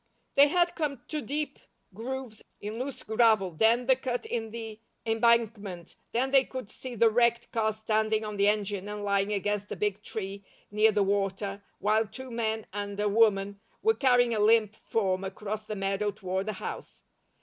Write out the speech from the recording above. They had come to deep grooves in loose gravel, then the cut in the embankment, then they could see the wrecked car standing on the engine and lying against a big tree, near the water, while two men and a woman were carrying a limp form across the meadow toward the house.